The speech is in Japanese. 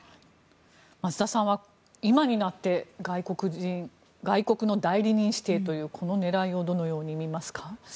増田さんは今になって外国の代理人指定というこの狙いをどのように見ますか？